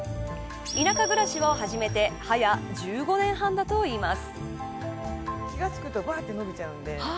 田舎暮らしを始めて早１５年半だといいます。